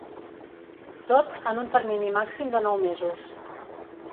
Tot, en un termini màxim de nou mesos.